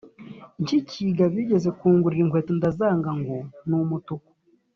Nkikiga bigeze kungurira inkweto ndazanga ngo numutuku